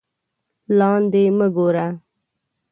لاندې مه گوره